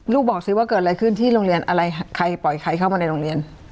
บอกสิว่าเกิดอะไรขึ้นที่โรงเรียนอะไรใครปล่อยใครเข้ามาในโรงเรียน